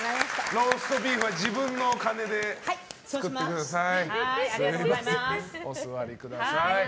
ローストビーフは自分のお金で作ってください。